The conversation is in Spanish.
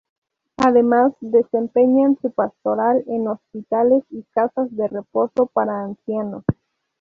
Además desempeñan su pastoral en hospitales y casas de reposo para ancianos.